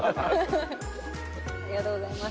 ありがとうございます。